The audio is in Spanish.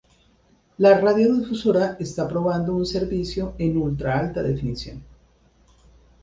La radiodifusora está probando un servicio en ultra alta definición.